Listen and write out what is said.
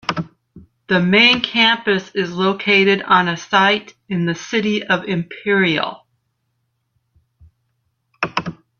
The main campus is located on a site in the city of Imperial.